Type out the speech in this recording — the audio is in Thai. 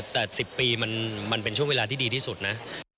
แต่๑๐ปีมันเป็นช่วงเวลาที่ดีที่สุดนะ